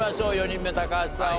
４人目高橋さん